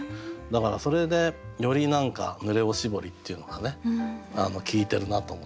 だからそれでより「濡れおしぼり」っていうのが効いてるなと思ってね。